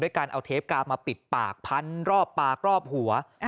การเอาเทปกาวมาปิดปากพันรอบปากรอบหัว